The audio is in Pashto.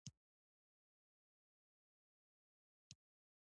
د پیرودونکي رضایت د پلور بریا ده.